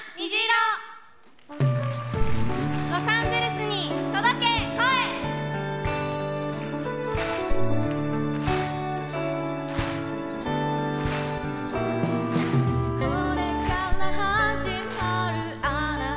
ロサンゼルスに届け、声！